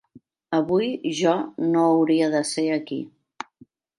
Avui jo no hauria de ser aquí.